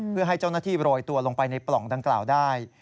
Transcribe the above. เพื่อให้เจ้าหน้าที่โรยตัวลงไปในปล่องดังกล่าวได้